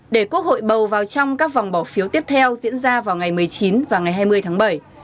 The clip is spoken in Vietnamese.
để quốc hội bầu vào trong các vòng bỏ phiếu tiếp theo diễn ra vào ngày một mươi chín và ngày hai mươi tháng bảy